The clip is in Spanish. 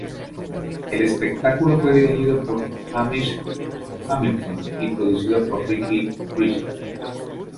El espectáculo fue dirigido por Hamish Hamilton y producido por Ricky Kirshner.